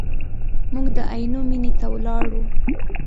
موږ د عینو مینې ته ولاړو.